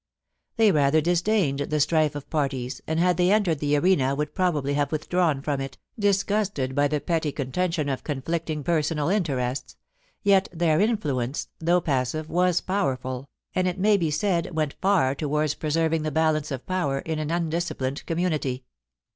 They rather disdained the strife of parties, and had they entered the arena would probably have withdrawn firom it, disgusted by the petty ctHitention of conflicdng personal interests ; yet 368 POLICY AND PASSION. their influence, though passive, was powerful, and it may be said went far towards preserving the balance of power in an undisciplined community.